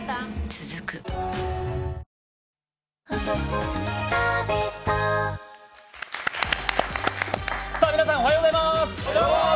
続く皆さんおはようございます。